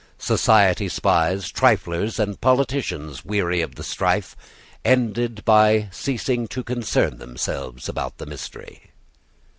Society spies, triflers, and politicians, weary of the strife, ended by ceasing to concern themselves about the mystery.